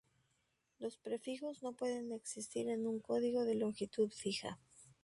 Los prefijos no pueden existir en un código de longitud fija.